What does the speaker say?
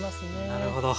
なるほど。